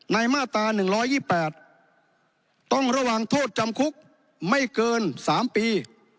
ในมาตราหนึ่งร้อยยี่แปดต้องระหว่างโทษจำคุกไม่เกินสามปี